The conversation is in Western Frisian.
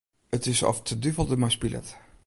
It is oft de duvel dermei spilet.